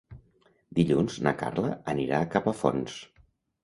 Dilluns na Carla anirà a Capafonts.